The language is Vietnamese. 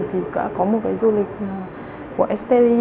thì có một du lịch của std